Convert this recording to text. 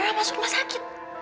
erah masuk rumah sakit